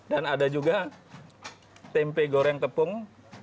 dan ada juga tempe goreng tepung